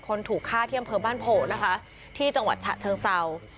คนถูกฆ่าเที่ยมเพิ่มบ้านโพนะคะที่จังหวัดฉะเชิงเซา